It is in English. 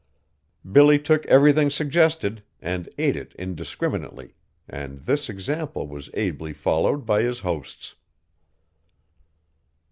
Billy took everything suggested and ate it indiscriminately, and this example was ably followed by his hosts.